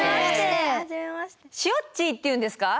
シオッチーっていうんですか？